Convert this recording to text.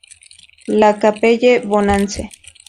La Capelle-Bonance